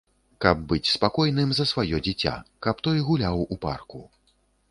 Каб быць спакойным за сваё дзіця, каб той гуляў у парку.